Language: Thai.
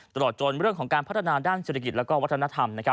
ตลอดจนเรื่องของการพัฒนาด้านเศรษฐกิจและวัฒนธรรม